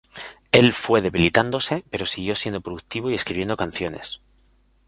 Él fue debilitándose, pero siguió siendo productivo y escribiendo canciones.